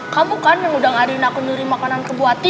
kamu kan yang udah ngaduin aku nuri makanan kebuati